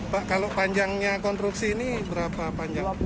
pak kalau panjangnya konstruksi ini berapa panjang